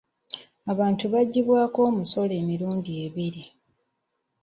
Abantu baggibwako omusolo emirundi ebiri.